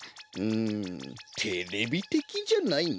んテレビてきじゃないな。